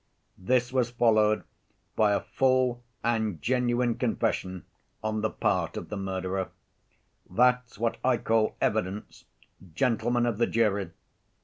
This was followed by a full and genuine confession on the part of the murderer. That's what I call evidence, gentlemen of the jury!